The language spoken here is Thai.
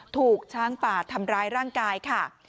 ถูกช้างป่าทำร้ายร่างกายค่ะ